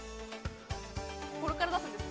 ここから出すんですよ。